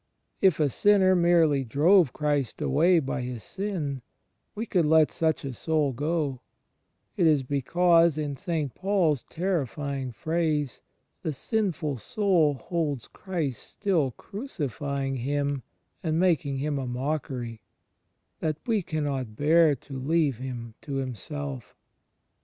If a sinner merely drove Christ away by his sin, we could let such a soul go; it is because, in St. Paul's terrif3dng phrase, the sinful soul holds Christ still, "cruci fying" Him and "making Him a mockery," * that we cannot bear to leave him to himself.